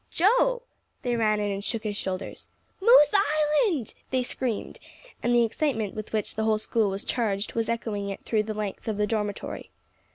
"Joe!" They ran in and shook his shoulders. "Moose Island!" they screamed, and the excitement with which the whole school was charged was echoing it through the length of the dormitory.